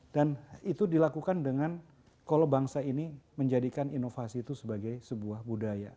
dan itu dilakukan dengan kalau bangsa ini menjadikan inovasi itu sebagai sebuah budaya